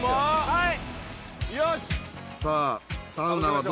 はい！